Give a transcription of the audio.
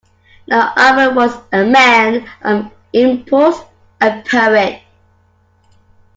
Now Irvine was a man of impulse, a poet.